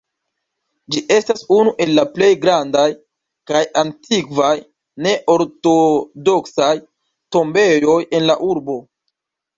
Ĝi estas unu el la plej grandaj kaj antikvaj ne-ortodoksaj tombejoj en la urbo.